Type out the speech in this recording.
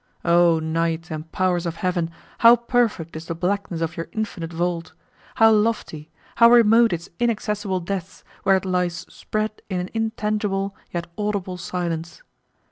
O night and powers of heaven, how perfect is the blackness of your infinite vault how lofty, how remote its inaccessible depths where it lies spread in an intangible, yet audible, silence!